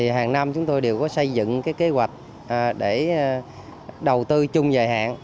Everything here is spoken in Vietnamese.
hàng năm chúng tôi đều có xây dựng kế hoạch để đầu tư chung dài hạn